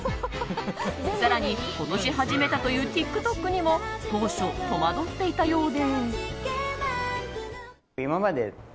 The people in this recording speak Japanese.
更に、今年始めたというＴｉｋＴｏｋにも当初、戸惑っていたようで。